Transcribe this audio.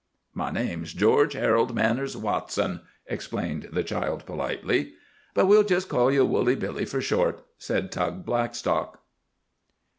"My name's George Harold Manners Watson," explained the child politely. "But we'll just call you Woolly Billy for short," said Tug Blackstock.